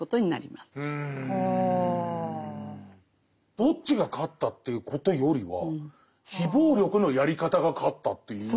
どっちが勝ったということよりは非暴力のやり方が勝ったという感じかな。